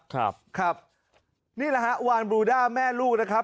ครับครับนี่แหละฮะวานบรูด้าแม่ลูกนะครับ